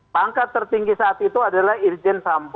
pangkat tertinggi saat itu adalah irjen sambo